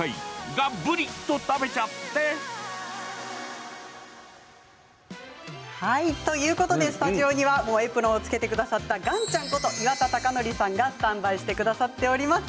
がぶりと食べちゃって！ということでスタジオにはもうエプロンを着けてくださった岩ちゃんこと岩田剛典さんがスタンバイしてくださっております。